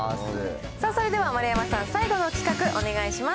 さあそれでは丸山さん、最後の企画、お願いします。